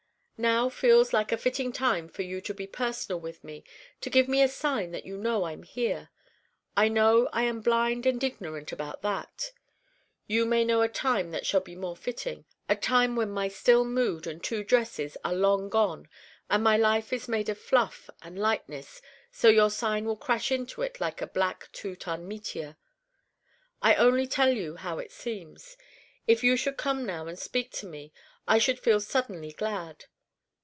Now feels like a fitting time for you to be personal with me, to give me a sign that you know I'm here. I know I am blind and ignorant about that. You may know a time that shall be more fitting, a time when my still mood and two dresses are long gone and my life is made of fluff and lightness so your sign will crash into it like a black two ton meteor. I only tell you how it seems. If you should come now and speak to me I should feel suddenly glad.